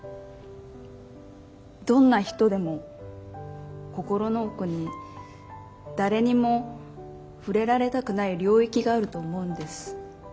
どんな人でも心の奥に誰にも触れられたくない領域があると思うんです。